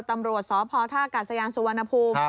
ตำรวจสภธกัสยานสุวรรณภูมิ